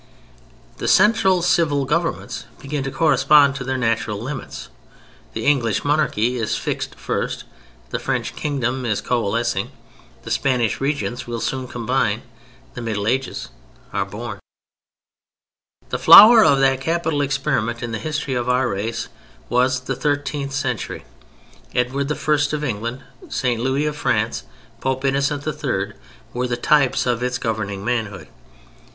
The central civil governments begin to correspond to their natural limits, the English monarchy is fixed first, the French kingdom is coalescing, the Spanish regions will soon combine. The Middle Ages are born. The flower of that capital experiment in the history of our race was the thirteenth century. Edward I. of England, St. Louis of France, Pope Innocent III., were the types of its governing manhood.